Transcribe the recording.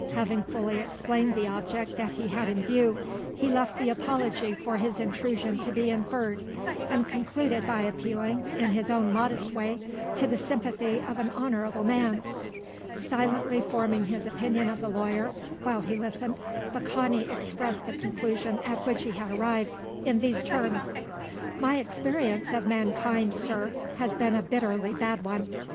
Having fully explained the object that he had in view, he left the apology for his intrusion to be inferred, and concluded by appealing, in his own modest way, to the sympathy of an honourable man. Silently forming his opinion of the lawyer, while he listened, Baccani expressed the conclusion at which he had arrived, in these terms: "My experience of mankind, sir, has been a bitterly bad one.